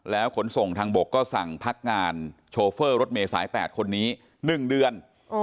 ขนส่งทางบกก็สั่งพักงานโชเฟอร์รถเมย์สาย๘คนนี้๑เดือน